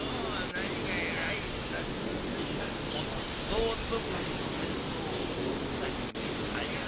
何が偉いったって弟分の面倒をこんなに見る兄貴